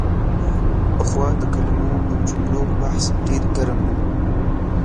پخوا د کلمو او جملو بحث ډېر ګرم و.